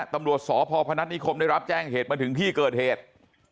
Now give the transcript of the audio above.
ตำรวจสพพนัฐนิคมได้รับแจ้งเหตุมาถึงที่เกิดเหตุ